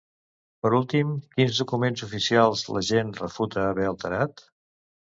Per últim, quins documents oficials l'agent refuta haver alterat?